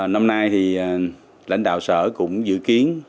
năm nay thì lãnh đạo sở cũng dự kiến tỷ lệ tuyệt